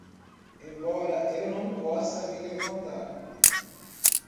Embora eu não possa me levantar